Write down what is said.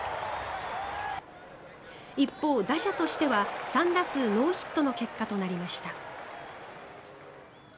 一方、打者としては３打数ノーヒットの結果となりました。